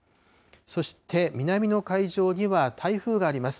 そして、南の海上には台風があります。